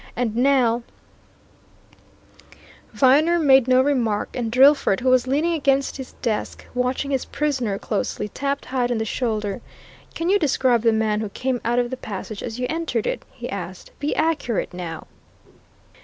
And now " Viner made no remark; and Drillford, who was leaning against his desk, watching his prisoner closely, tapped Hyde on the shoulder. "Can you describe the man who came out of the passage as you entered it?" he asked. "Be accurate, now!"